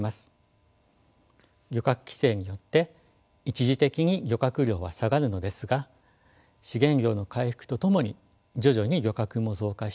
漁獲規制によって一時的に漁獲量は下がるのですが資源量の回復とともに徐々に漁獲も増加していき